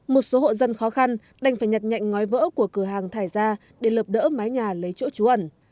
một số hộ dân khó khăn đành phải nhặt nhạy ngói vỡ của cửa hàng thải ra để lập đỡ mái nhà lấy chỗ trú ẩn